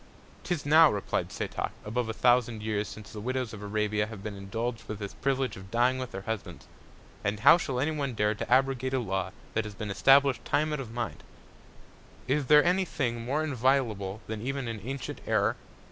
'Tis now, replied Setoc, above a thousand Years since the Widows of Arabia have been indulg'd with this Privilege of dying with their Husbands; and how shall any one dare to abrogate a Law that has been establish'd Time out of Mind? Is there any Thing more inviolable than even an antient Error?